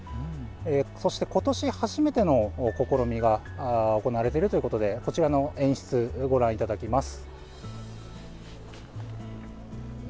そしてことし初めての試みが行われているということでこちらの演出、ご覧いただきます。